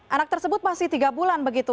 anak tersebut masih tiga bulan begitu